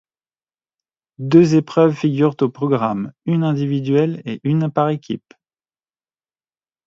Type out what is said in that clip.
Deux épreuves figurent au programme, une individuelle et une par équipes.